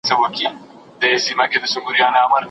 ایا د بوري فابریکه نوي جوړه سوي وه؟